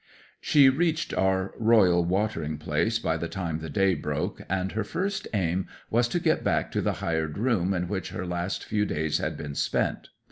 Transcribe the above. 'She reached our royal watering place by the time the day broke, and her first aim was to get back to the hired room in which her last few days had been spent.